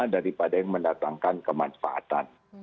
daripada yang mendatangkan kemanfaatan